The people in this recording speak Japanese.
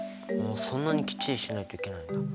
そんなにきっちりしなきゃいけないんだ。